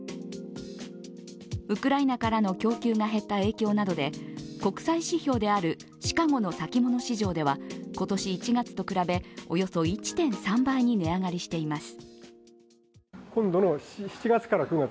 ウクライナからの供給が減った影響などで国際指標であるシカゴの先物市場では今年１月と比べ、およそ１．３倍に値上がりしています